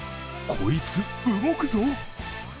こいつ動くぞ！